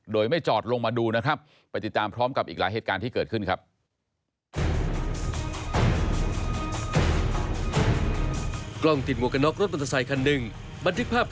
โดยไม่จอดลงมาดูนะครับ